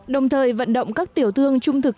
đồng thời vận động các tiểu thương trung thực